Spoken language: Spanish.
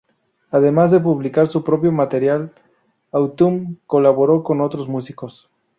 Además de publicar su propio material, Autumn colaboró con otros músicos.